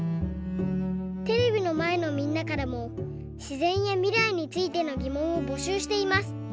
テレビのまえのみんなからもしぜんやみらいについてのぎもんをぼしゅうしています。